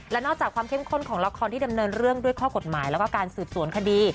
และนอกจากความเข้มข้นของละครที่ดำเนินเรื่องด้วยข้อกฎหมายแล้วก็การสืบสวนคดี